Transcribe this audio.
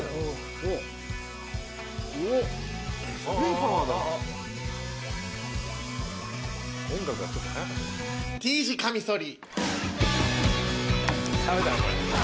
フッＴ字カミソリ